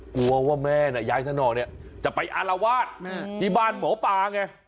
กลัวว่าแม่น่ะยายสนอกเนี่ยจะไปอารวาสที่บ้านหมอปลาไง